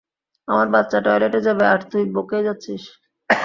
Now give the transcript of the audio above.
আমার বাচ্চা টয়লেটে যাবে আর তুই বকেই যাচ্ছিস!